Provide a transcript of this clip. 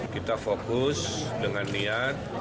kita fokus dengan niat